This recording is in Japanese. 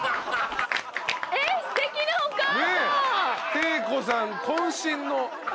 貞子さん渾身の。